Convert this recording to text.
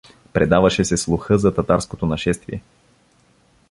Предаваше се слуха за татарското нашествие.